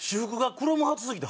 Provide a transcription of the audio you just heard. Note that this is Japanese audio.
「クロムハーツすぎて」。